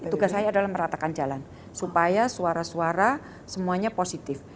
tugas saya adalah meratakan jalan supaya suara suara semuanya positif